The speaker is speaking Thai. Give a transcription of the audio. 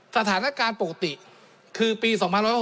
สถานการณ์ปกติคือปี๒๖๖